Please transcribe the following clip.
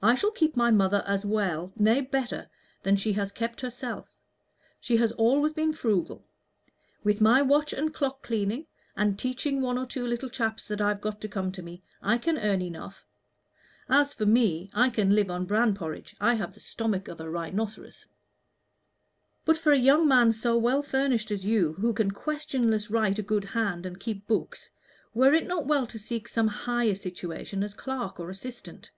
"I shall keep my mother as well nay, better than she has kept herself. She has always been frugal. With my watch and clock cleaning, and teaching one or two little chaps that I've got to come to me, I can earn enough. As for me, I can live on bran porridge. I have the stomach of a rhinoceros." "But for a young man so well furnished as you, who can questionless write a good hand and keep books, were it not well to seek some higher situation as clerk or assistant?